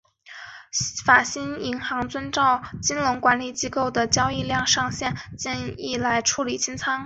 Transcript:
法兴银行遵照金融管理机构的交易量上限建议来处理清仓。